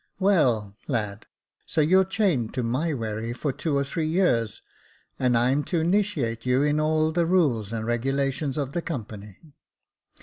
*' "Well, lad, so you're chained to my wherry for two or three years ; and I'm to 'nitiate you into all the rules and regulations of the company.